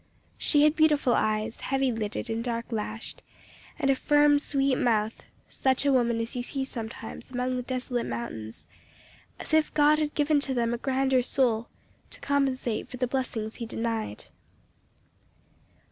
She had beautiful eyes, heavy lidded and dark lashed, and a firm, sweet mouth such a woman as you see sometimes amongst the desolate mountains, as if God had given to them a grander soul, to compensate for the blessings He denied.